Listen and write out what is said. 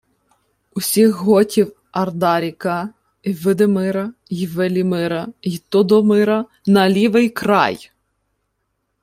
— Усіх готів Ардаріка, й Видимира, й Велімира, й Тодомира — на лівий край!